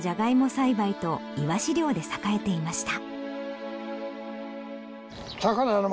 栽培とイワシ漁で栄えていました。